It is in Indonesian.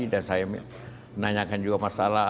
dan saya menanyakan juga masalah